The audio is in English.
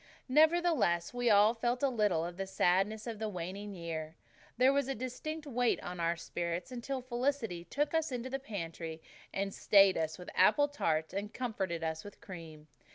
Nevertheless, we all felt a little of the sadness of the waning year. There was a distinct weight on our spirits until Felicity took us into the pantry and stayed us with apple tarts and comforted us with cream.